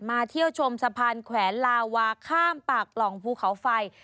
เที่ยวชมสะพานแขวนลาวาข้ามปากปล่องภูเขาไฟ